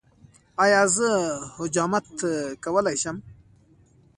ایا زه حجامت کولی شم؟